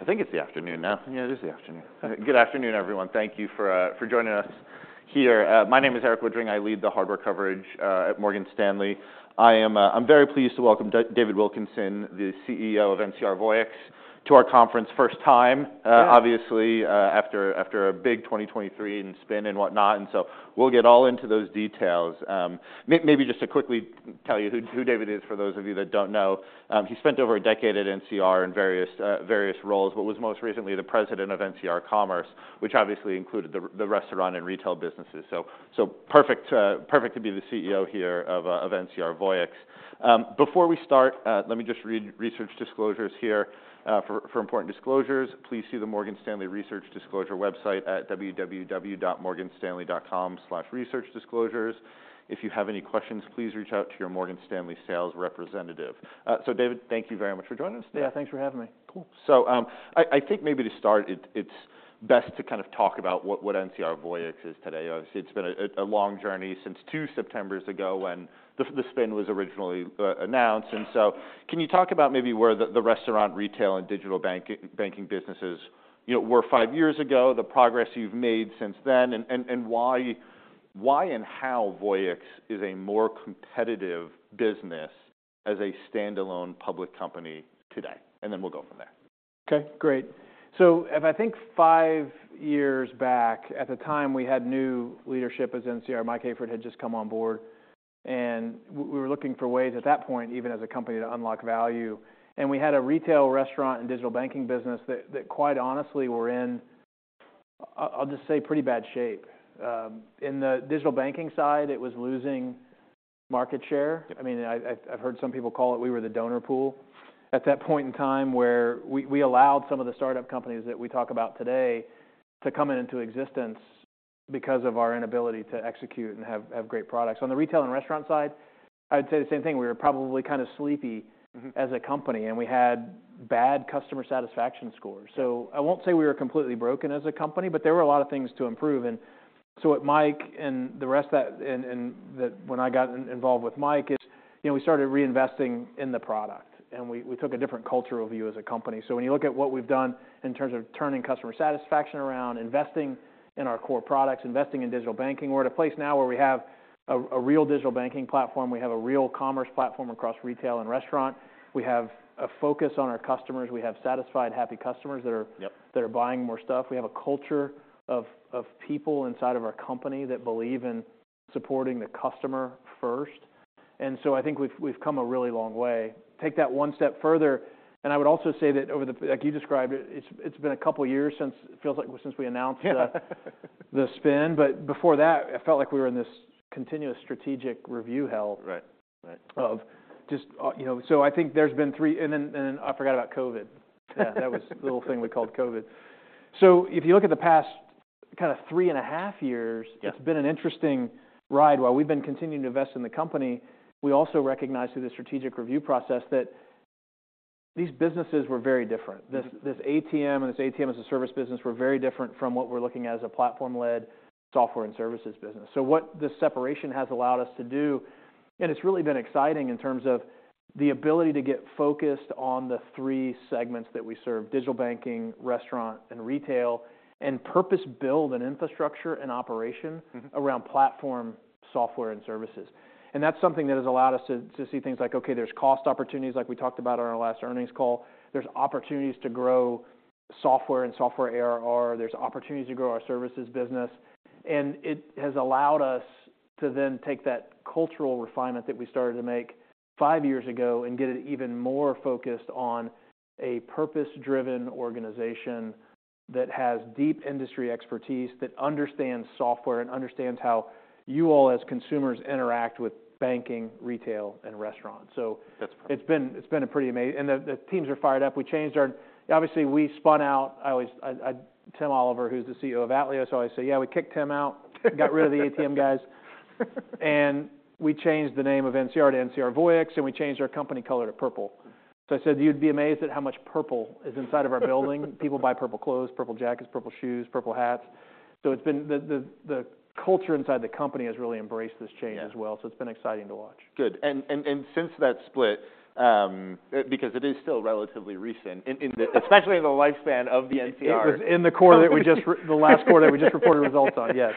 I think it's the afternoon now. Yeah, it is the afternoon. Good afternoon, everyone. Thank you for joining us here. My name is Erik Woodring. I lead the hardware coverage at Morgan Stanley. I'm very pleased to welcome David Wilkinson, the CEO of NCR Voyix, to our conference. First time- Yeah obviously, after a big 2023 and spin and whatnot, and so we'll get all into those details. Maybe just to quickly tell you who David is, for those of you that don't know. He spent over a decade at NCR in various roles, but was most recently the president of NCR Commerce, which obviously included the restaurant and retail businesses. So perfect to be the CEO here of NCR Voyix. Before we start, let me just read research disclosures here. "For important disclosures, please see the Morgan Stanley Research Disclosure website at www.morganstanley.com/researchdisclosures. If you have any questions, please reach out to your Morgan Stanley sales representative." So David, thank you very much for joining us today. Yeah, thanks for having me. Cool. So, I think maybe to start, it's best to kind of talk about what NCR Voyix is today. Obviously, it's been a long journey since two Septembers ago when the spin was originally announced. Yeah. So can you talk about maybe where the restaurant, retail, and digital banking businesses, you know, were five years ago, the progress you've made since then, and why and how Voyix is a more competitive business as a standalone public company today? Then we'll go from there. Okay, great. So if I think five years back, at the time, we had new leadership at NCR. Mike Hayford had just come on board, and we were looking for ways, at that point, even as a company, to unlock value. And we had a retail, restaurant, and digital banking business that, quite honestly, were in, I'll just say, pretty bad shape. In the digital banking side, it was losing market share. Yeah. I mean, I've heard some people call it we were the donor pool. At that point in time, where we allowed some of the startup companies that we talk about today to come into existence because of our inability to execute and have great products. On the retail and restaurant side, I'd say the same thing. We were probably kind of sleepy- as a company, and we had bad customer satisfaction scores. So I won't say we were completely broken as a company, but there were a lot of things to improve. And so what Mike and the rest of that, when I got involved with Mike, you know, we started reinvesting in the product, and we took a different cultural view as a company. So when you look at what we've done in terms of turning customer satisfaction around, investing in our core products, investing in digital banking, we're at a place now where we have a real digital banking platform. We have a real commerce platform across retail and restaurant. We have a focus on our customers. We have satisfied, happy customers that are- Yep that are buying more stuff. We have a culture of people inside of our company that believe in supporting the customer first. And so I think we've come a really long way. Take that one step further, and I would also say that over the, Like you described it, it's been a couple of years since, it feels like, since we announced the- Yeah. the spin, but before that, it felt like we were in this continuous strategic review hell- Right. Right of just, you know.. So I think there's been three, and then, and I forgot about COVID. Yeah. That was the little thing we called COVID. So if you look at the past kind of three and a half years- Yeah it's been an interesting ride. While we've been continuing to invest in the company, we also recognized through the strategic review process that thes businesses were very different. This, this ATM and this ATM as a Service business were very different from what we're looking at as a platform-led software and services business. So what this separation has allowed us to do, and it's really been exciting in terms of the ability to get focused on the three segments that we serve: digital banking, restaurant, and retail, and purpose-build an infrastructure and operation- around platform software and services. And that's something that has allowed us to see things like, okay, there's cost opportunities, like we talked about on our last earnings call. There's opportunities to grow software and Software ARR. There's opportunities to grow our services business. And it has allowed us to then take that cultural refinement that we started to make five years ago and get it even more focused on a purpose-driven organization that has deep industry expertise, that understands software and understands how you all, as consumers, interact with banking, retail, and restaurants. So- That's great it's been a pretty amazing, and the teams are fired up. We changed our... Obviously, we spun out. I always, Tim Oliver, who's the CEO of Atleos, so I say, "Yeah, we kicked him out." "Got rid of the ATM guys." And we changed the name of NCR to NCR Voyix, and we changed our company color to purple. So I said, "You'd be amazed at how much purple is inside of our building." People buy purple clothes, purple jackets, purple shoes, purple hats. So it's been... The culture inside the company has really embraced this change as well. Yeah. So it's been exciting to watch. Good. And since that split, because it is still relatively recent, especially in the lifespan of the NCR- The last quarter we just reported results on, yes.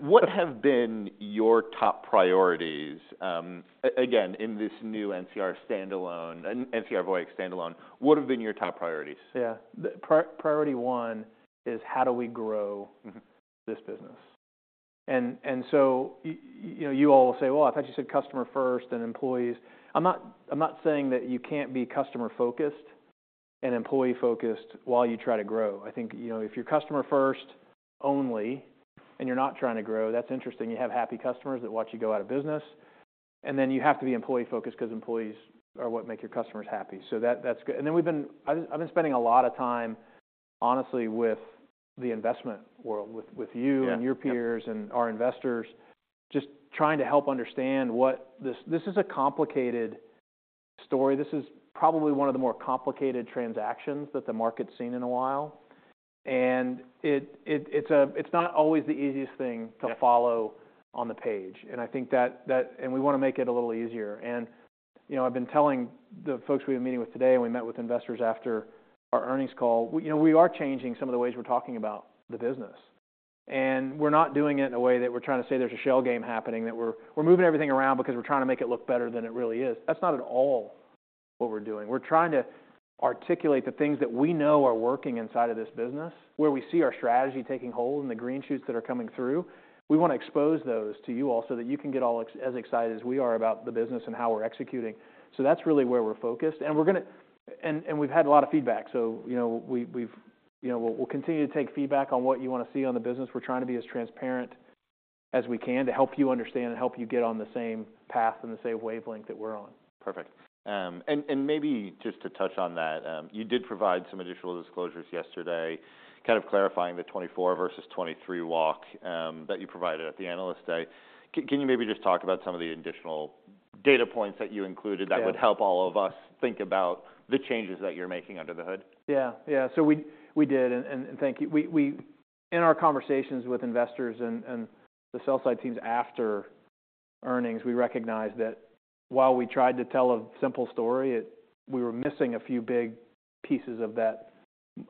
What have been your top priorities, again, in this new NCR standalone, NCR Voyix standalone, what have been your top priorities? Yeah. The priority one is: How do we grow- this business? And so you know, you all will say, "Well, I thought you said customer first, then employees." I'm not, I'm not saying that you can't be customer-focused and employee-focused while you try to grow. I think, you know, if you're customer first only and you're not trying to grow, that's interesting. You have happy customers that watch you go out of business, and then you have to be employee-focused 'cause employees are what make your customers happy. So that's good. And then I've been spending a lot of time, honestly, with the investment world, with you- Yeah and your peers and our investors, just trying to help understand what this is a complicated story. This is probably one of the more complicated transactions that the market's seen in a while... and it's a, it's not always the easiest thing to follow- Yeah on the page, and I think that. And we wanna make it a little easier. And, you know, I've been telling the folks we had a meeting with today, and we met with investors after our earnings call, you know, we are changing some of the ways we're talking about the business. And we're not doing it in a way that we're trying to say there's a shell game happening, that we're moving everything around because we're trying to make it look better than it really is. That's not at all what we're doing. We're trying to articulate the things that we know are working inside of this business, where we see our strategy taking hold and the green shoots that are coming through. We wanna expose those to you all, so that you can get all as excited as we are about the business and how we're executing. So that's really where we're focused, and we're gonna. And we've had a lot of feedback, so, you know. You know, we'll continue to take feedback on what you wanna see on the business. We're trying to be as transparent as we can to help you understand and help you get on the same path and the same wavelength that we're on. Perfect. And maybe just to touch on that, you did provide some additional disclosures yesterday, kind of clarifying the '2024 versus 2023 walk,' that you provided at the Analyst Day. Can you maybe just talk about some of the additional data points that you included- Yeah that would help all of us think about the changes that you're making under the hood? Yeah. Yeah, so we did, and thank you. In our conversations with investors and the sell side teams after earnings, we recognized that while we tried to tell a simple story, we were missing a few big pieces of that,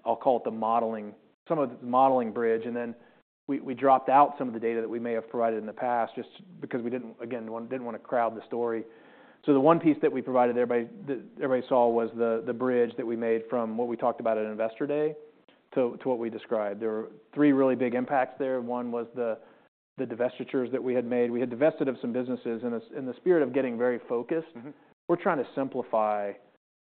I'll call it the modeling, some of the modeling bridge, and then we dropped out some of the data that we may have provided in the past, just because we didn't, again, didn't wanna crowd the story. So the one piece that we provided everybody, that everybody saw, was the bridge that we made from what we talked about at Investor Day to what we described. There were three really big impacts there. One was the divestitures that we had made. We had divested of some businesses. In the spirit of getting very focused- we're trying to simplify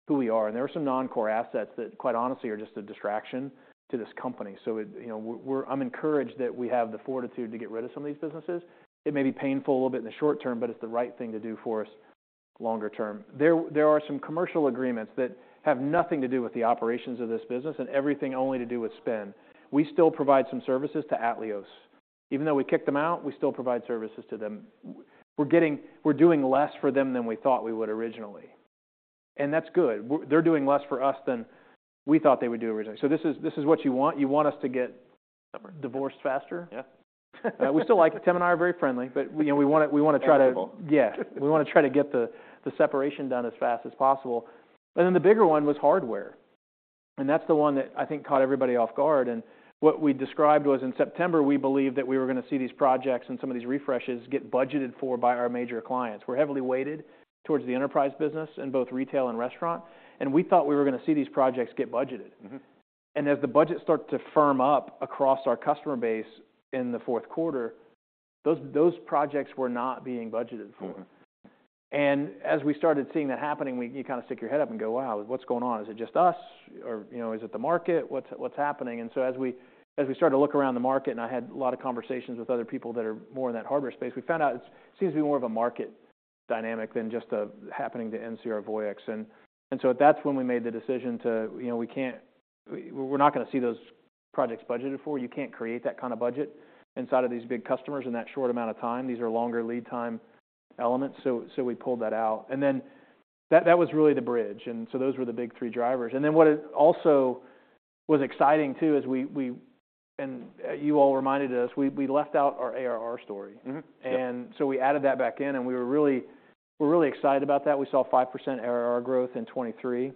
who we are, and there were some non-core assets that, quite honestly, are just a distraction to this company. So, you know, we're encouraged that we have the fortitude to get rid of some of these businesses. It may be painful a little bit in the short term, but it's the right thing to do for us longer term. There are some commercial agreements that have nothing to do with the operations of this business, and everything only to do with spend. We still provide some services to Atleos. Even though we kicked them out, we still provide services to them. We're doing less for them than we thought we would originally, and that's good. They're doing less for us than we thought they would do originally. So this is what you want. You want us to get- Covered divorced faster? Yeah. We still like it. Tim and I are very friendly, but, you know, we wanna try to- Manageable. Yeah. We wanna try to get the, the separation done as fast as possible. Then, the bigger one was hardware, and that's the one that I think caught everybody off guard. What we described was, in September, we believed that we were gonna see these projects and some of these refreshes get budgeted for by our major clients. We're heavily weighted towards the enterprise business in both retail and restaurant, and we thought we were gonna see these projects get budgeted. As the budget started to firm up across our customer base in the fourth quarter, those projects were not being budgeted for. As we started seeing that happening, we—you kind of stick your head up and go, "Wow, what's going on? Is it just us or, you know, is it the market? What's, what's happening?" And so as we, as we started to look around the market, and I had a lot of conversations with other people that are more in that hardware space, we found out it seems to be more of a market dynamic than just a happening to NCR Voyix. And, and so that's when we made the decision to... You know, we can't—we're not gonna see those projects budgeted for. You can't create that kind of budget inside of these big customers in that short amount of time. These are longer lead time elements. So we pulled that out, and then that was really the bridge, and so those were the big three drivers. And then, what it also was exciting, too, is we - and you all reminded us, we left out our ARR story. And so we added that back in, and we were really... We're really excited about that. We saw 5% ARR growth in 2023,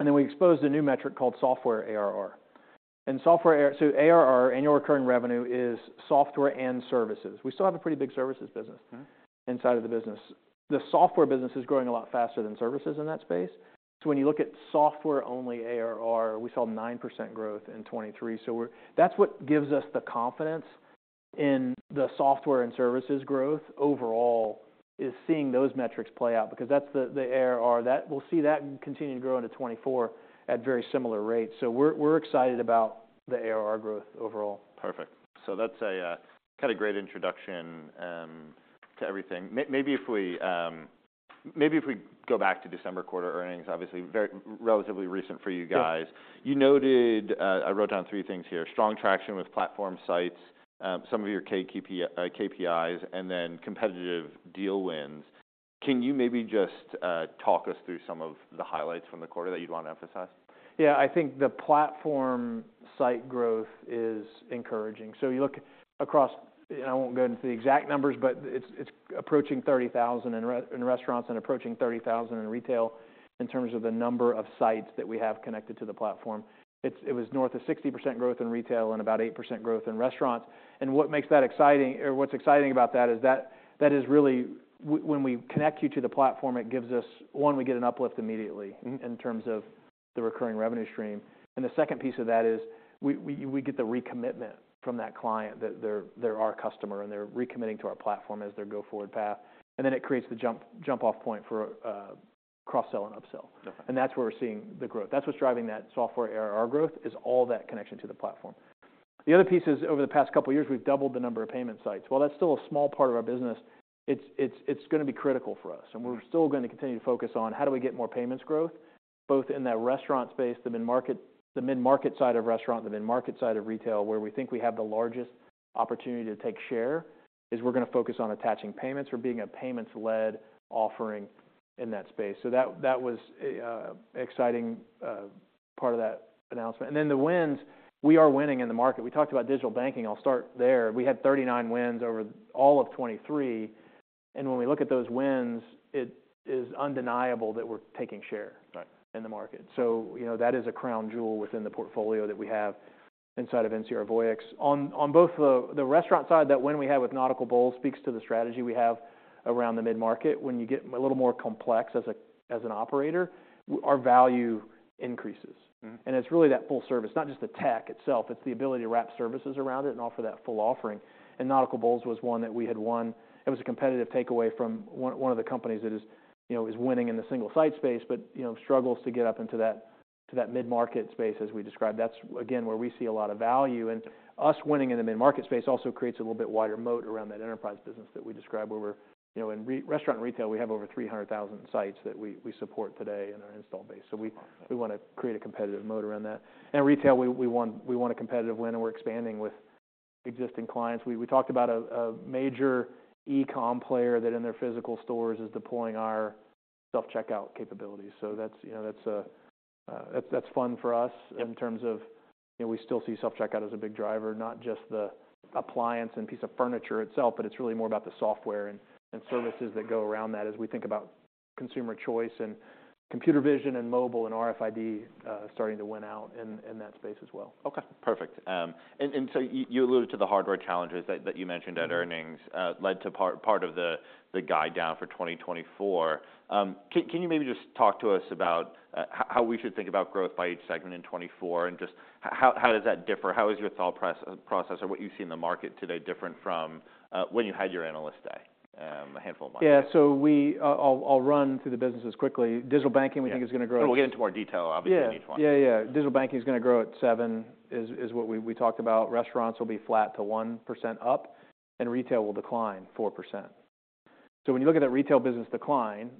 and then we exposed a new metric called Software ARR. And Software ARR. So ARR, annual recurring revenue, is software and services. We still have a pretty big services business- inside of the business. The software business is growing a lot faster than services in that space. So when you look at software-only ARR, we saw 9% growth in 2023. So we're. That's what gives us the confidence in the software and services growth overall, is seeing those metrics play out because that's the ARR. That, we'll see that continue to grow into 2024 at very similar rates, so we're excited about the ARR growth overall. Perfect. So that's a kind of great introduction to everything. Maybe if we go back to December quarter earnings, obviously, very relatively recent for you guys. Sure. You noted, I wrote down three things here: strong traction with platform sites, some of your KPI, KPIs, and then competitive deal wins. Can you maybe just, talk us through some of the highlights from the quarter that you'd want to emphasize? Yeah. I think the platform site growth is encouraging. So you look across, and I won't go into the exact numbers, but it's approaching 30,000 in restaurants and approaching 30,000 in retail in terms of the number of sites that we have connected to the platform. It was north of 60% growth in retail and about 8% growth in restaurants. And what makes that exciting, or what's exciting about that, is that. That is really when we connect you to the platform, it gives us, one, we get an uplift immediately- in terms of the recurring revenue stream. And the second piece of that is, we get the recommitment from that client, that they're our customer, and they're recommitting to our platform as their go-forward path, and then it creates the jump-off point for cross-sell and upsell. Okay. That's where we're seeing the growth. That's what's driving that Software ARR growth, is all that connection to the platform. The other piece is, over the past couple of years, we've doubled the number of payment sites. While that's still a small part of our business, it's gonna be critical for us. We're still gonna continue to focus on how do we get more payments growth, both in that restaurant space, the mid-market, the mid-market side of restaurant, the mid-market side of retail, where we think we have the largest opportunity to take share, is we're gonna focus on attaching payments or being a payments-led offering in that space. So that, that was a exciting part of that announcement. And then the wins, we are winning in the market. We talked about digital banking, I'll start there. We had 39 wins over all of 2023, and when we look at those wins, it is undeniable that we're taking share- Right in the market. So, you know, that is a crown jewel within the portfolio that we have inside of NCR Voyix. On both the restaurant side, that win we had with Nautical Bowls speaks to the strategy we have around the mid-market. When you get a little more complex as an operator, our value increases. And it's really that full service, not just the tech itself, it's the ability to wrap services around it and offer that full offering, and Nautical Bowls was one that we had won. It was a competitive takeaway from one of the companies that is, you know, is winning in the single site space, but, you know, struggles to get up into that mid-market space, as we described. That's, again, where we see a lot of value. And us winning in the mid-market space also creates a little bit wider moat around that enterprise business that we described, where we're. You know, in restaurant and retail, we have over 300,000 sites that we support today in our install base, so we- Okay .we wanna create a competitive moat around that. In retail, we won a competitive win, and we're expanding with existing clients. We talked about a major e-com player that, in their physical stores, is deploying our self-checkout capabilities. So that's, you know, that's fun for us- Yeah in terms of, you know, we still see self-checkout as a big driver, not just the appliance and piece of furniture itself, but it's really more about the software and services that go around that as we think about consumer choice, and computer vision, and mobile, and RFID starting to win out in that space as well. Okay, perfect. And so you alluded to the hardware challenges that you mentioned at earnings- led to part of the guide down for 2024. Can you maybe just talk to us about how we should think about growth by each segment in 2024, and just how does that differ? How is your thought process, or what you see in the market today, different from when you had your analyst day a handful of months ago? Yeah. So, I'll run through the businesses quickly. Digital banking- Yeah we think is gonna grow- We'll get into more detail, obviously, on each one. Yeah. Yeah, yeah. Digital banking is gonna grow at 7%, is what we talked about. Restaurants will be flat to 1% up, and retail will decline 4%. So when you look at that retail business decline,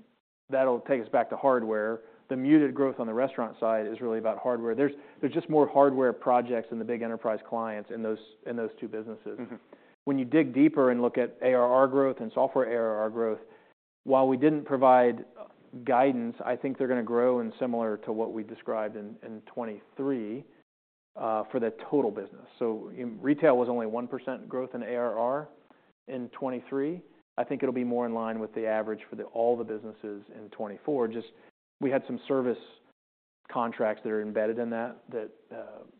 that'll take us back to hardware. The muted growth on the restaurant side is really about hardware. There's just more hardware projects in the big enterprise clients in those two businesses. When you dig deeper and look at ARR growth and Software ARR growth, while we didn't provide guidance, I think they're gonna grow in similar to what we described in, in 2023, for the total business. So in retail was only 1% growth in ARR in 2023. I think it'll be more in line with the average for all the businesses in 2024. Just, we had some service contracts that are embedded in that, that, you know, we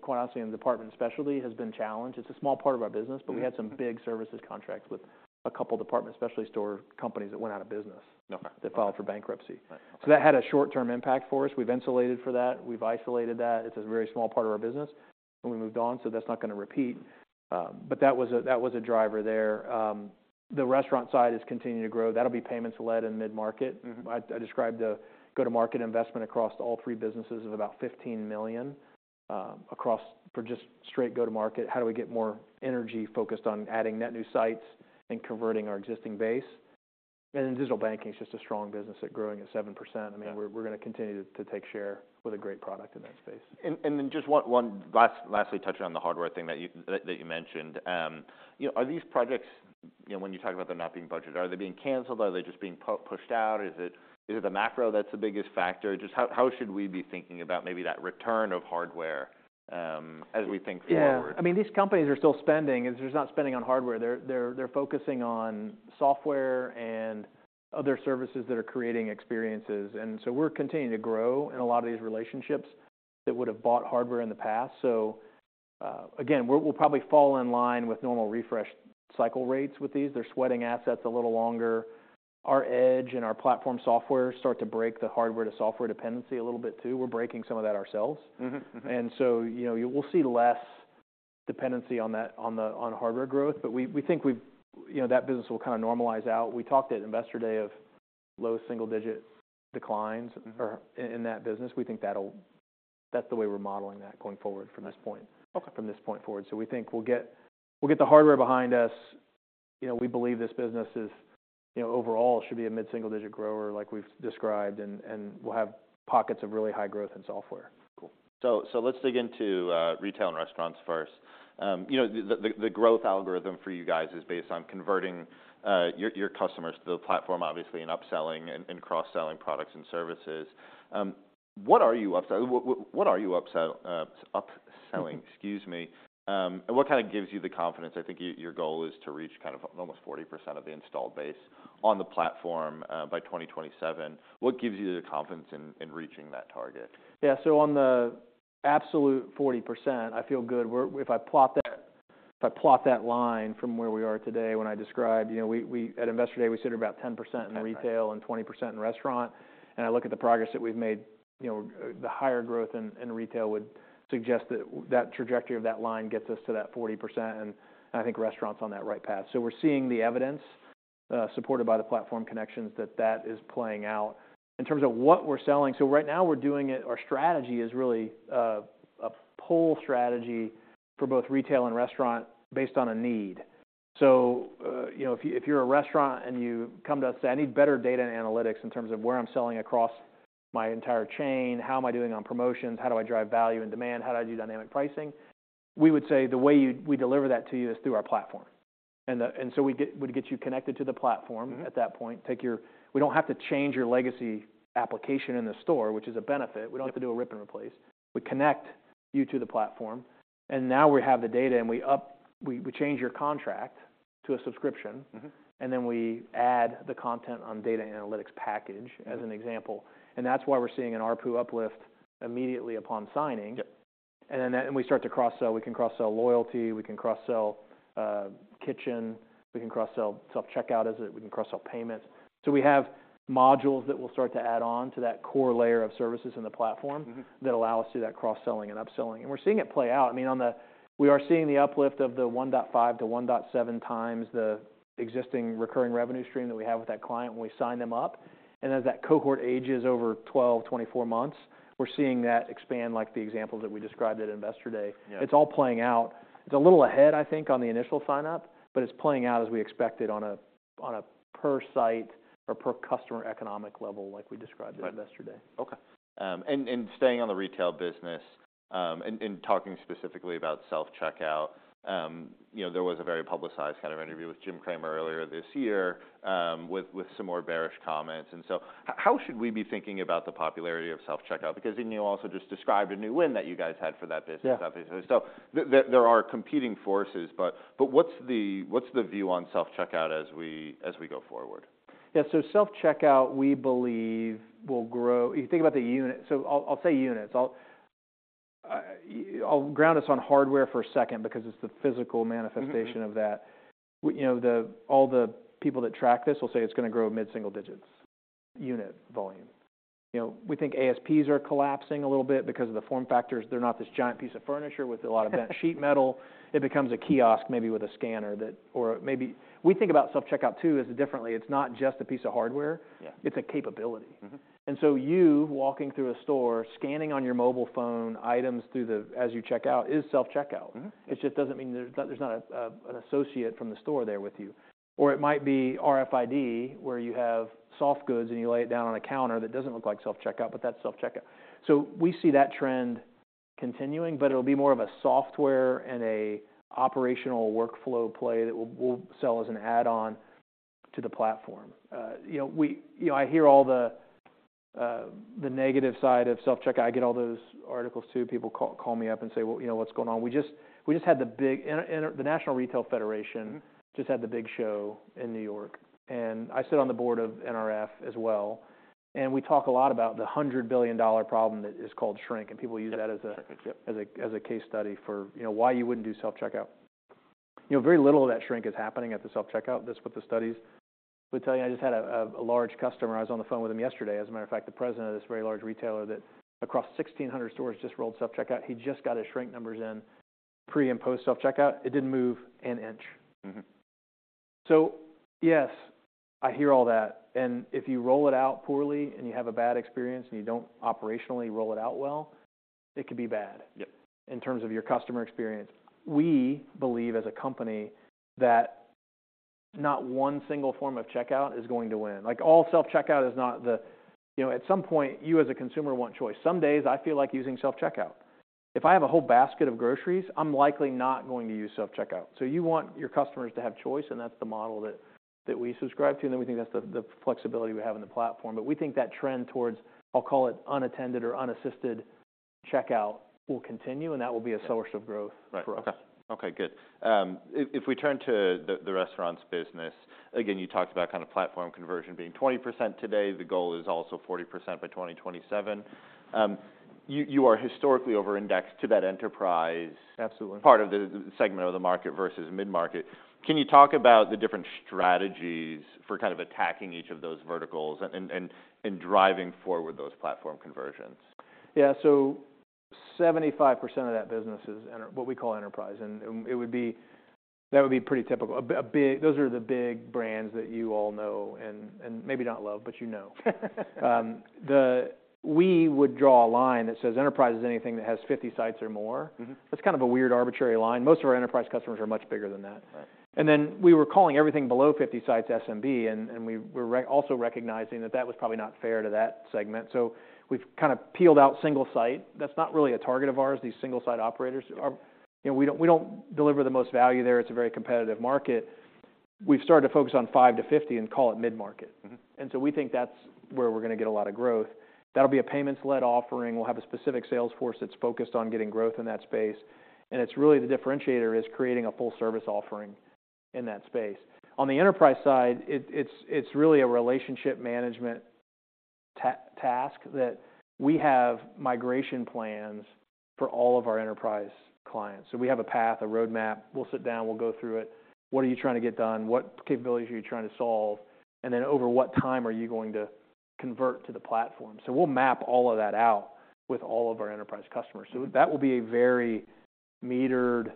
quite honestly, in the Department & Specialty has been challenged. It's a small part of our business- but we had some big services contracts with a couple department specialty store companies that went out of business- Okay that filed for bankruptcy. Right. So that had a short-term impact for us. We've insulated for that. We've isolated that. It's a very small part of our business, and we moved on, so that's not gonna repeat. But that was a driver there. The restaurant side is continuing to grow. That'll be payments-led in mid-market. I described a go-to-market investment across all three businesses of about $15 million across for just straight go-to-market. How do we get more energy focused on adding net new sites and converting our existing base? And then digital banking is just a strong business at growing at 7%. Yeah. I mean, we're gonna continue to take share with a great product in that space. Then just lastly, touching on the hardware thing that you mentioned. You know, are these projects, you know, when you talk about them not being budgeted, are they being canceled? Are they just being pushed out? Is it the macro that's the biggest factor? Just how should we be thinking about maybe that return of hardware, as we think forward? Yeah. I mean, these companies are still spending, they're just not spending on hardware. They're focusing on software and other services that are creating experiences, and so we're continuing to grow in a lot of these relationships that would've bought hardware in the past. So, again, we'll probably fall in line with normal refresh cycle rates with these. They're sweating assets a little longer. Our Edge and our platform software start to break the hardware-to-software dependency a little bit, too. We're breaking some of that ourselves. You know, we'll see less dependency on the hardware growth, but we think we've... You know, that business will kind of normalize out. We talked at Investor Day of low single-digit declines- in that business. We think that'll - that's the way we're modeling that going forward from this point- Okay from this point forward. So we think we'll get the hardware behind us. You know, we believe this business is, you know, overall, should be a mid-single-digit grower, like we've described, and we'll have pockets of really high growth in software. Cool. So let's dig into retail and restaurants first. You know, the growth algorithm for you guys is based on converting your customers to the platform, obviously, and upselling and cross-selling products and services. What are you upselling? Excuse me. And what kind of gives you the confidence? I think your goal is to reach kind of almost 40% of the installed base on the platform by 2027. What gives you the confidence in reaching that target? Yeah. So on the absolute 40%, I feel good. We're—if I plot that line from where we are today, when I describe, you know, we at Investor Day, we sit at about 10% in retail- Right and 20% in restaurant, and I look at the progress that we've made, you know, the higher growth in retail would suggest that that trajectory of that line gets us to that 40%, and I think restaurants on that right path. So we're seeing the evidence, supported by the platform connections, that that is playing out. In terms of what we're selling, so right now, our strategy is really, a pull strategy for both retail and restaurant based on a need. So, you know, if you're a restaurant and you come to us and say, "I need better data and analytics in terms of where I'm selling across my entire chain, how am I doing on promotions, how do I drive value and demand, how do I do dynamic pricing?" We would say, "The way we deliver that to you is through our platform." And so we'd get you connected to the platform. At that point, we don't have to change your legacy application in the store, which is a benefit. We don't have to do a rip and replace. We connect you to the platform, and now we have the data, and we change your contract to a subscription. And then we add the content on data analytics package, as an example, and that's why we're seeing an ARPU uplift immediately upon signing. Yep. And then we start to cross-sell. We can cross-sell loyalty, we can cross-sell kitchen, we can cross-sell self-checkout, we can cross-sell payments. So we have modules that we'll start to add on to that core layer of services in the platform. that allow us to do that cross-selling and upselling, and we're seeing it play out. I mean, on the... We are seeing the uplift of the 1.5-1.7 times the existing recurring revenue stream that we have with that client when we sign them up, and as that cohort ages over 12, 24 months, we're seeing that expand, like the examples that we described at Investor Day. Yeah. It's all playing out. It's a little ahead, I think, on the initial sign-up, but it's playing out as we expected on a, on a per site or per customer economic level, like we described at- Right. Investor Day. Okay. And staying on the retail business, and talking specifically about self-checkout, you know, there was a very publicized kind of interview with Jim Cramer earlier this year, with some more bearish comments. And so how should we be thinking about the popularity of self-checkout? Because you also just described a new win that you guys had for that business- Yeah obviously. So there are competing forces, but, but what's the, what's the view on self-checkout as we, as we go forward? Yeah, so self-checkout, we believe, will grow. If you think about the units, so I'll, I'll say units. I'll, I'll ground us on hardware for a second because it's the physical manifestation- of that. You know, all the people that track this will say it's gonna grow mid-single digits, unit volume. You know, we think ASPs are collapsing a little bit because of the form factors. They're not this giant piece of furniture with a lot of bent sheet metal. It becomes a kiosk, maybe with a scanner that or maybe, we think about self-checkout, too, as differently. It's not just a piece of hardware- Yeah it's a capability. And so you walking through a store, scanning on your mobile phone items through the, as you check out, is self-checkout. It just doesn't mean there's not a, an associate from the store there with you. Or it might be RFID, where you have soft goods, and you lay it down on a counter. That doesn't look like self-checkout, but that's self-checkout. So we see that trend continuing, but it'll be more of a software and a operational workflow play that we'll sell as an add-on to the platform. You know, I hear all the, the negative side of self-checkout. I get all those articles, too. People call me up and say, "Well, you know, what's going on?" We just had the big. And the National Retail Federation- just had the Big Show in New York, and I sit on the board of NRF as well, and we talk a lot about the $100 billion problem that is called shrink, and people use that as a- Yep as a case study for, you know, why you wouldn't do self-checkout. You know, very little of that shrink is happening at the self-checkout. That's what the studies would tell you. I just had a large customer, I was on the phone with him yesterday, as a matter of fact, the president of this very large retailer that across 1,600 stores just rolled self-checkout. He just got his shrink numbers in pre- and post-self-checkout. It didn't move an inch. So yes, I hear all that, and if you roll it out poorly, and you have a bad experience, and you don't operationally roll it out well, it could be bad- Yep in terms of your customer experience. We believe, as a company, that not one single form of checkout is going to win. Like, all self-checkout is not the. You know, at some point, you, as a consumer, want choice. Some days, I feel like using self-checkout. If I have a whole basket of groceries, I'm likely not going to use self-checkout. So you want your customers to have choice, and that's the model that we subscribe to, and then we think that's the flexibility we have in the platform. But we think that trend towards, I'll call it unattended or unassisted checkout, will continue, and that will be a source of growth- Right for us. Okay. Okay, good. If we turn to the restaurants business, again, you talked about kind of platform conversion being 20% today. The goal is also 40% by 2027. You are historically over-indexed to that enterprise- Absolutely part of the segment of the market versus mid-market. Can you talk about the different strategies for kind of attacking each of those verticals and driving forward those platform conversions? Yeah. So 75% of that business is what we call enterprise, and it would be... That would be pretty typical. Those are the big brands that you all know and maybe not love, but you know. We would draw a line that says enterprise is anything that has 50 sites or more. That's kind of a weird, arbitrary line. Most of our enterprise customers are much bigger than that. Right. And then we were calling everything below 50 sites SMB, and we were also recognizing that that was probably not fair to that segment, so we've kind of peeled out single site. That's not really a target of ours, these single site operators are- Yeah. You know, we don't, we don't deliver the most value there. It's a very competitive market. We've started to focus on 5-50 and call it mid-market. And so we think that's where we're gonna get a lot of growth. That'll be a payments-led offering. We'll have a specific sales force that's focused on getting growth in that space, and it's really the differentiator is creating a full service offering in that space. On the enterprise side, it's really a relationship management task that we have migration plans for all of our enterprise clients. So we have a path, a roadmap. We'll sit down, we'll go through it. What are you trying to get done? What capabilities are you trying to solve? And then, over what time are you going to convert to the platform? So we'll map all of that out with all of our enterprise customers. So that will be a very metered,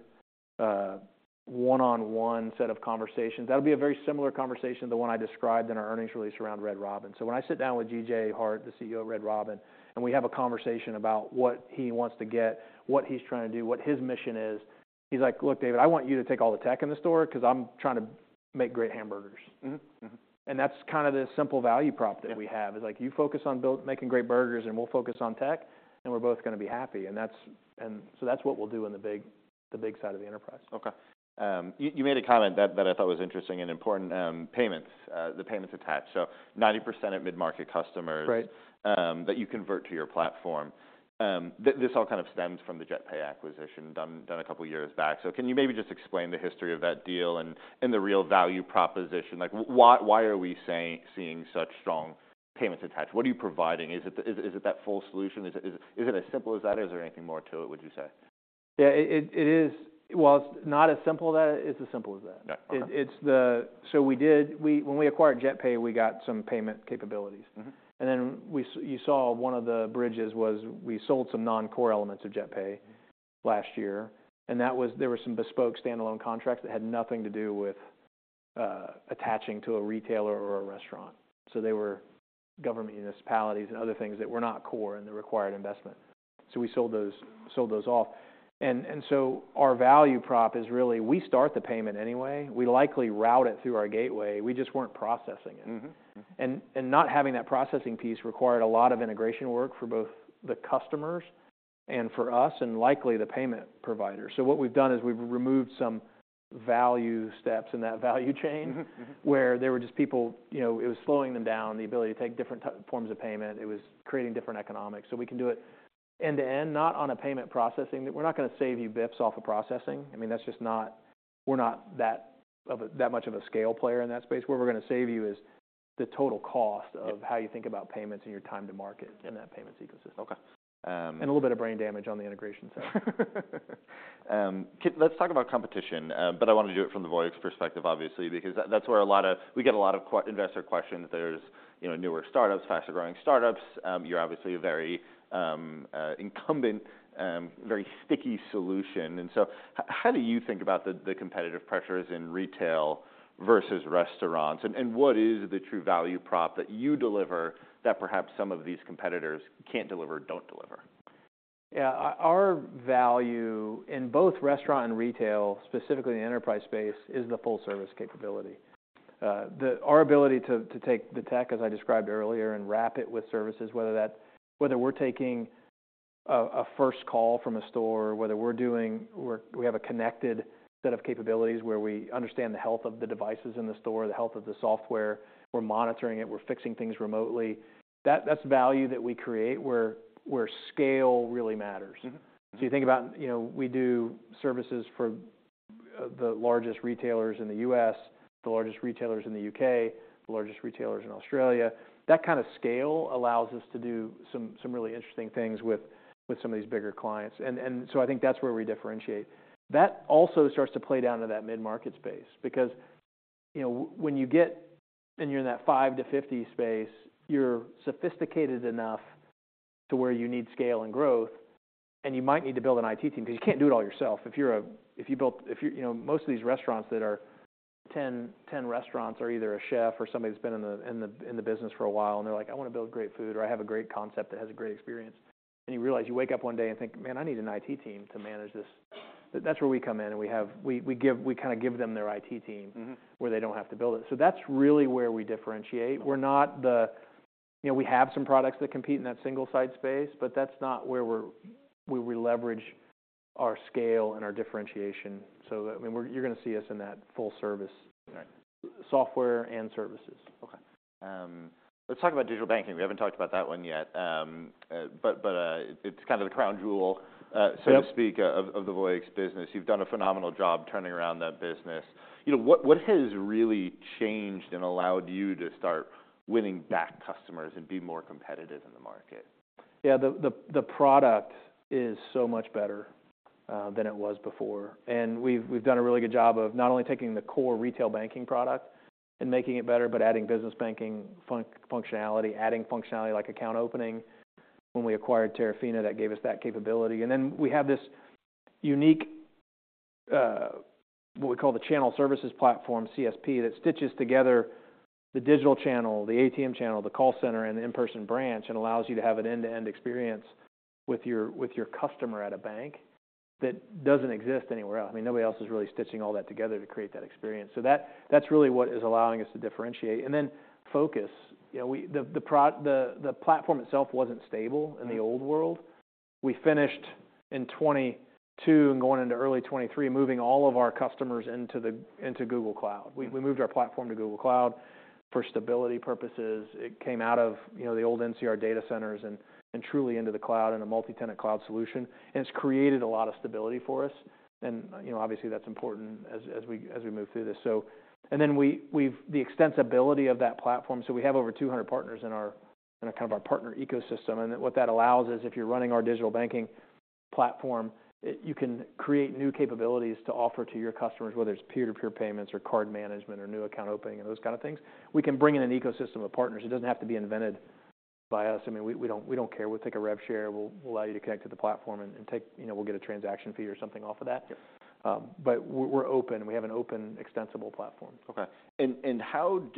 one-on-one set of conversations. That'll be a very similar conversation to the one I described in our earnings release around Red Robin. When I sit down with G.J. Hart, the CEO of Red Robin, and we have a conversation about what he wants to get, what he's trying to do, what his mission is, he's like: Look, David, I want you to take all the tech in the store because I'm trying to make great hamburgers. That's kind of the simple value prop- Yeah that we have is like, you focus on making great burgers, and we'll focus on tech, and we're both gonna be happy. And that's and so that's what we'll do in the big, the big side of the enterprise. Okay. You made a comment that I thought was interesting and important, payments, the payments attached. So 90% of mid-market customers- Right that you convert to your platform, this all kind of stems from the JetPay acquisition done a couple years back. So can you maybe just explain the history of that deal and the real value proposition? Like, why, why are we seeing such strong payments attached? What are you providing? Is it the... Is it that full solution? Is it as simple as that, or is there anything more to it, would you say? Yeah, it is. Well, it's not as simple as that. It's as simple as that. Yeah. Okay. When we acquired JetPay, we got some payment capabilities. And then you saw one of the bridges was, we sold some non-core elements of JetPay last year, and that was, there were some bespoke standalone contracts that had nothing to do with attaching to a retailer or a restaurant, so they were government municipalities and other things that were not core in the required investment, so we sold those, sold those off. And so our value prop is really, we start the payment anyway. We likely route it through our gateway. We just weren't processing it. And not having that processing piece required a lot of integration work for both the customers and for us, and likely the payment provider. So what we've done is we've removed some value steps in that value chain- where there were just people, you know, it was slowing them down, the ability to take different forms of payment. It was creating different economics. So we can do it end-to-end, not on a payment processing. We're not gonna save you basis points off of processing. I mean, that's just not. We're not that much of a scale player in that space. Where we're gonna save you is the total cost- Yeah of how you think about payments and your time to market in that payments ecosystem. Okay. A little bit of brain damage on the integration side. Let's talk about competition, but I want to do it from the Voyix perspective, obviously, because that's where we get a lot of investor questions. There's, you know, newer startups, faster-growing startups. You're obviously a very incumbent, very sticky solution, and so how do you think about the competitive pressures in retail versus restaurants? And what is the true value prop that you deliver that perhaps some of these competitors can't deliver or don't deliver? Yeah, our value in both restaurant and retail, specifically in the enterprise space, is the full service capability. Our ability to take the tech, as I described earlier, and wrap it with services, whether we're taking a first call from a store, or whether we're doing. We have a connected set of capabilities where we understand the health of the devices in the store, the health of the software. We're monitoring it, we're fixing things remotely. That's value that we create where scale really matters. So you think about, you know, we do services for the largest retailers in the U.S., the largest retailers in the U.K., the largest retailers in Australia. That kind of scale allows us to do some really interesting things with some of these bigger clients. And so I think that's where we differentiate. That also starts to play down to that mid-market space because, you know, when you get and you're in that 5-50 space, you're sophisticated enough to where you need scale and growth, and you might need to build an IT team, 'cause you can't do it all yourself. If you're—you know, most of these restaurants that are 10 restaurants are either a chef or somebody that's been in the business for a while, and they're like, "I wanna build great food," or, "I have a great concept that has a great experience." Then you realize, you wake up one day and think, "Man, I need an IT team to manage this." That's where we come in, and we kinda give them their IT team. where they don't have to build it. So that's really where we differentiate. Okay. We're not the. You know, we have some products that compete in that single site space, but that's not where we leverage our scale and our differentiation. So that, I mean, we're, you're gonna see us in that full service- Right software and services. Okay. Let's talk about digital banking. We haven't talked about that one yet. But it's kind of the crown jewel. Yep so to speak, of the Voyix business. You've done a phenomenal job turning around that business. You know, what has really changed and allowed you to start winning back customers and be more competitive in the market? Yeah, the product is so much better than it was before, and we've done a really good job of not only taking the core retail banking product and making it better, but adding business banking functionality, adding functionality like account opening. When we acquired Terafina, that gave us that capability. And then, we have this unique what we call the Channel Services Platform, CSP, that stitches together the digital channel, the ATM channel, the call center, and the in-person branch, and allows you to have an end-to-end experience with your customer at a bank that doesn't exist anywhere else. I mean, nobody else is really stitching all that together to create that experience. So that's really what is allowing us to differentiate. And then, focus. You know, the platform itself wasn't stable- in the old world. We finished in 2022 and going into early 2023, moving all of our customers into the Google Cloud We moved our platform to Google Cloud for stability purposes. It came out of, you know, the old NCR data centers and truly into the cloud in a multi-tenant cloud solution, and it's created a lot of stability for us. And, you know, obviously, that's important as we move through this. So, then we've... The extensibility of that platform, so we have over 200 partners in our, in a kind of our partner ecosystem, and then what that allows is, if you're running our digital banking platform, it- you can create new capabilities to offer to your customers, whether it's peer-to-peer payments or card management or new account opening, and those kind of things. We can bring in an ecosystem of partners. It doesn't have to be invented by us. I mean, we don't care. We'll take a rev share. We'll allow you to connect to the platform and take... You know, we'll get a transaction fee or something off of that. Yep. But we're open. We have an open, extensible platform. Okay. And how would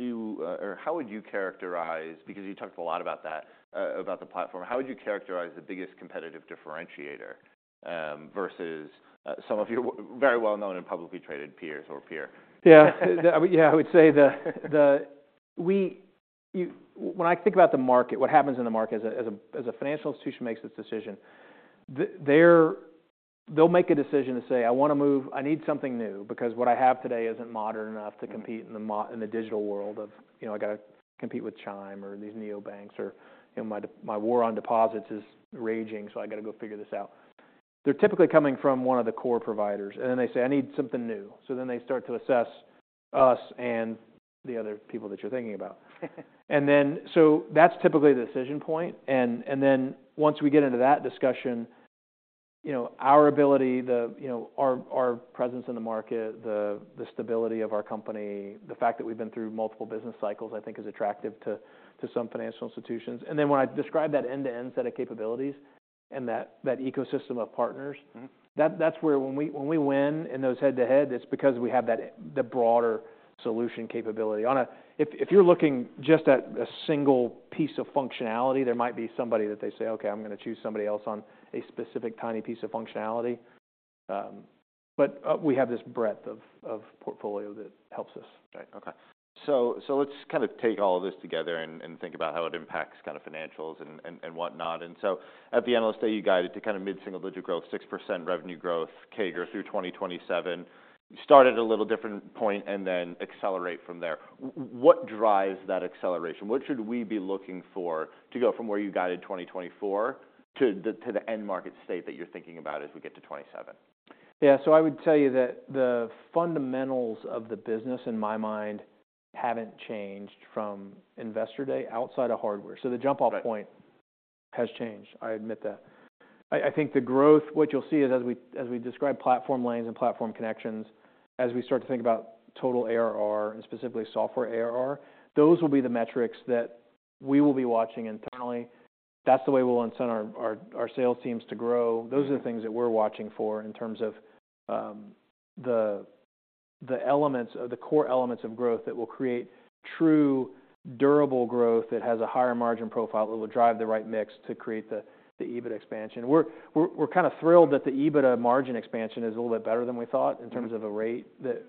you characterize... Because you talked a lot about that, about the platform, how would you characterize the biggest competitive differentiator versus some of your very well-known and publicly traded peers or peer? Yeah, I would say when I think about the market, what happens in the market as a financial institution makes this decision, they'll make a decision to say, "I wanna move. I need something new, because what I have today isn't modern enough- to compete in the digital world of, you know, I gotta compete with Chime or these neobanks, or, you know, my war on deposits is raging, so I gotta go figure this out. They're typically coming from one of the core providers, and then they say, "I need something new." So then they start to assess us and the other people that you're thinking about. And then, so that's typically the decision point. And then, once we get into that discussion, you know, our ability, you know, our presence in the market, the stability of our company, the fact that we've been through multiple business cycles, I think is attractive to some financial institutions. And then, when I describe that end-to-end set of capabilities and that ecosystem of partners- that's where when we win in those head-to-head, it's because we have that, the broader solution capability. On a, if you're looking just at a single piece of functionality, there might be somebody that they say, "Okay, I'm gonna choose somebody else on a specific tiny piece of functionality." But, we have this breadth of portfolio that helps us. Right. Okay. So let's kind of take all this together and think about how it impacts kind of financials and whatnot. And so at the analyst day, you guided to kind of mid-single-digit growth, 6% revenue growth, CAGR through 2027. You start at a little different point and then accelerate from there. What drives that acceleration? What should we be looking for to go from where you guided 2024 to the end market state that you're thinking about as we get to 2027? Yeah. So I would tell you that the fundamentals of the business, in my mind, haven't changed from Investor Day outside of hardware. Right. So the jump-off point has changed. I admit that. I think the growth, what you'll see is, as we describe platform lanes and platform connections, as we start to think about total ARR, and specifically Software ARR, those will be the metrics that we will be watching internally. That's the way we'll incent our sales teams to grow. Those are the things that we're watching for in terms of the elements or the core elements of growth that will create true, durable growth, that has a higher margin profile, that will drive the right mix to create the EBIT expansion. We're kind of thrilled that the EBITDA margin expansion is a little bit better than we thought- in terms of the rate that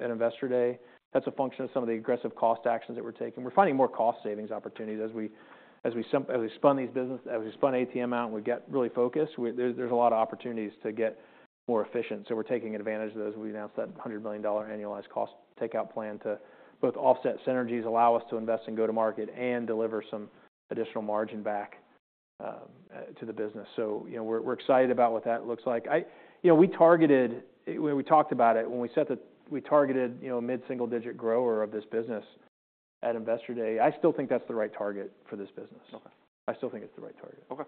at Investor Day. That's a function of some of the aggressive cost actions that we're taking. We're finding more cost savings opportunities as we spun ATM out, and we get really focused. There's a lot of opportunities to get more efficient, so we're taking advantage of those. We announced that $100 million annualized cost takeout plan to both offset synergies, allow us to invest and go to market, and deliver some additional margin back to the business. So, you know, we're excited about what that looks like. You know, we targeted. When we talked about it, when we set the, we targeted, you know, mid-single-digit growth of this business at Investor Day. I still think that's the right target for this business. Okay. I still think it's the right target. Okay.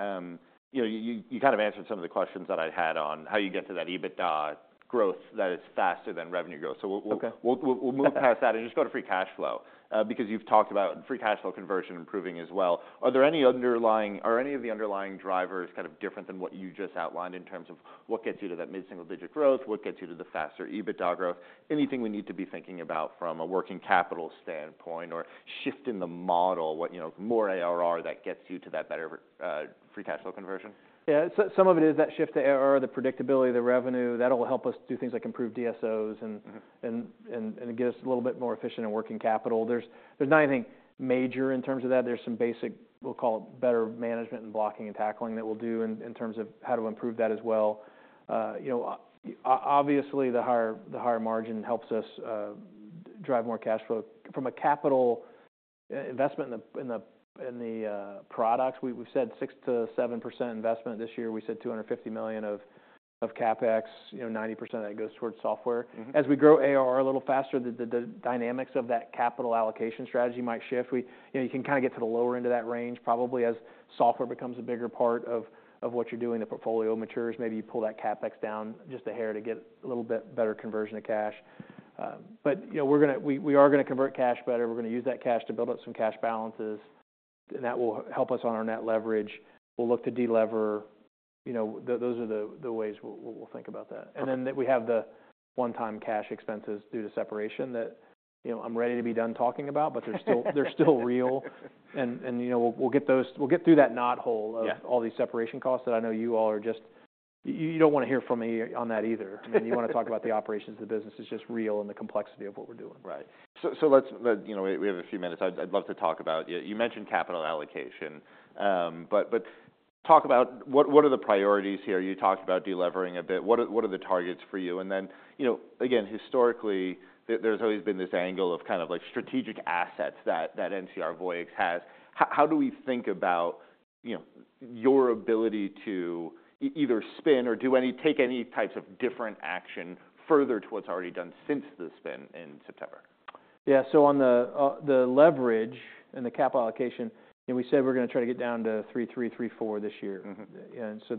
You know, you kind of answered some of the questions that I had on how you get to that EBITDA growth that is faster than revenue growth. So we'll- Okay. we'll move past that and just go to free cash flow, because you've talked about free cash flow conversion improving as well. Are there any of the underlying drivers kind of different than what you just outlined, in terms of what gets you to that mid-single-digit growth, what gets you to the faster EBITDA growth? Anything we need to be thinking about from a working capital standpoint or shift in the model, what, you know, more ARR that gets you to that better free cash flow conversion? Yeah. So some of it is that shift to ARR, the predictability of the revenue. That'll help us do things like improve DSOs and- and get us a little bit more efficient in working capital. There's nothing major in terms of that. There's some basic, we'll call it, better management and blocking and tackling that we'll do in terms of how to improve that as well. You know, obviously, the higher margin helps us drive more cash flow. From a capital investment in the products, we've said 6%-7% investment this year. We said $250 million of CapEx, you know, 90% of that goes towards software. As we grow ARR a little faster, the dynamics of that capital allocation strategy might shift. You know, you can kind of get to the lower end of that range, probably, as software becomes a bigger part of what you're doing, the portfolio matures, maybe you pull that CapEx down just a hair to get a little bit better conversion of cash. But, you know, we're gonna convert cash better. We're gonna use that cash to build up some cash balances, and that will help us on our net leverage. We'll look to delever. You know, those are the ways we'll think about that. Okay. And then, we have the one-time cash expenses due to separation that, you know, I'm ready to be done talking about, but they're still, they're still real. And, and, you know, we'll, we'll get those. We'll get through that knothole. Yeah of all these separation costs that I know you all are just... you don't wanna hear from me on that either. I mean, you wanna talk about the operations of the business. It's just real and the complexity of what we're doing. Right. So let's. You know, we have a few minutes. I'd love to talk about. You mentioned capital allocation, but talk about what are the priorities here? You talked about delevering a bit. What are the targets for you? And then, you know, again, historically, there's always been this angle of kind of like strategic assets that NCR Voyix has. How do we think about, you know, your ability to either spin or do any take any types of different action further to what's already done since the spin in September? Yeah. So on the leverage and the CapEx allocation, and we said we're gonna try to get down to 3.3-3.4 this year. And so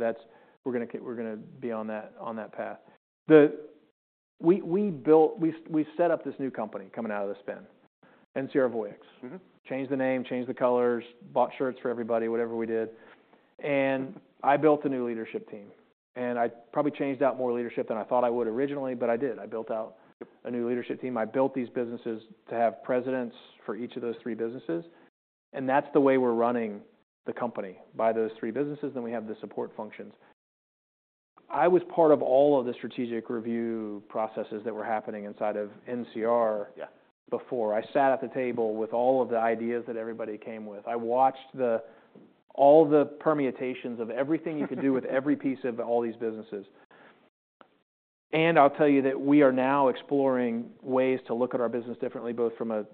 we're gonna keep, we're gonna be on that path. We built, we set up this new company coming out of the spin, NCR Voyix. Changed the name, changed the colors, bought shirts for everybody, whatever we did. I built a new leadership team, and I probably changed out more leadership than I thought I would originally, but I did. I built out- Yep a new leadership team. I built these businesses to have presidents for each of those three businesses, and that's the way we're running the company by those three businesses, then we have the support functions. I was part of all of the strategic review processes that were happening inside of NCR- Yeah Before. I sat at the table with all of the ideas that everybody came with. I watched all the permutations of everything you could do with every piece of all these businesses. And I'll tell you that we are now exploring ways to look at our business differently, both from a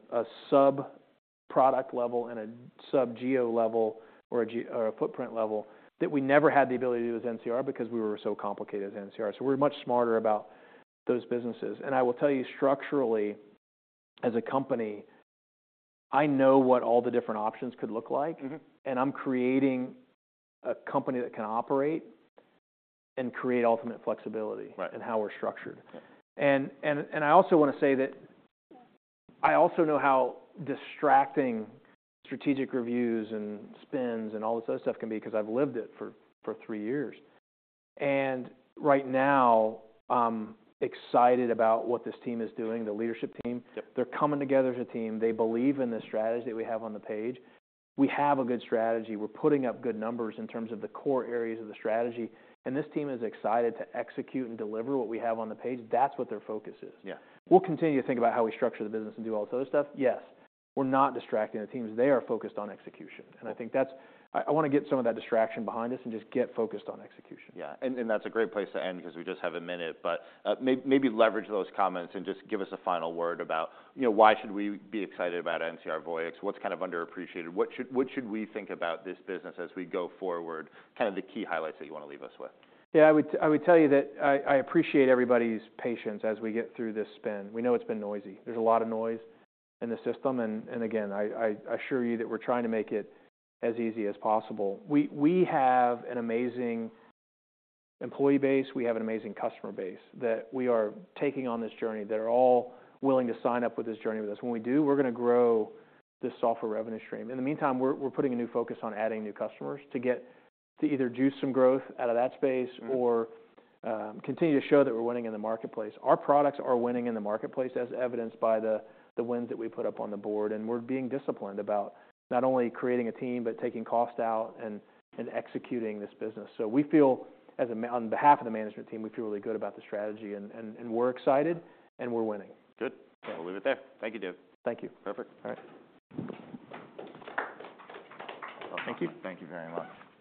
sub-product level and a sub-geo level or a footprint level, that we never had the ability to do with NCR because we were so complicated as NCR. So we're much smarter about those businesses. And I will tell you, structurally, as a company, I know what all the different options could look like. I'm creating a company that can operate and create ultimate flexibility- Right in how we're structured. Yeah. And I also wanna say that I also know how distracting strategic reviews and spins and all this other stuff can be, 'cause I've lived it for three years. And right now, I'm excited about what this team is doing, the leadership team. Yep. They're coming together as a team. They believe in the strategy that we have on the page. We have a good strategy. We're putting up good numbers in terms of the core areas of the strategy, and this team is excited to execute and deliver what we have on the page. That's what their focus is. Yeah. We'll continue to think about how we structure the business and do all this other stuff, yes. We're not distracting the teams. They are focused on execution, and I think that's. I, I wanna get some of that distraction behind us and just get focused on execution. Yeah, and that's a great place to end because we just have a minute, but maybe leverage those comments and just give us a final word about, you know, why should we be excited about NCR Voyix? What's kind of underappreciated? What should we think about this business as we go forward? Kind of the key highlights that you wanna leave us with. Yeah. I would, I would tell you that I, I appreciate everybody's patience as we get through this spin. We know it's been noisy. There's a lot of noise in the system, and, and again, I, I assure you that we're trying to make it as easy as possible. We, we have an amazing employee base, we have an amazing customer base, that we are taking on this journey, that are all willing to sign up with this journey with us. When we do, we're gonna grow this software revenue stream. In the meantime, we're, we're putting a new focus on adding new customers to get... to either juice some growth out of that space- or, continue to show that we're winning in the marketplace. Our products are winning in the marketplace, as evidenced by the wins that we put up on the board, and we're being disciplined about not only creating a team, but taking cost out and executing this business. So we feel, as a m- on behalf of the management team, we feel really good about the strategy, and we're excited, and we're winning. Good. Yeah. We'll leave it there. Thank you, Dave. Thank you. Perfect. All right. Well, thank you. Thank you very much.